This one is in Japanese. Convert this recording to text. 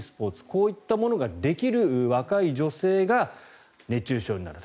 こういったものができる若い女性が熱中症になる。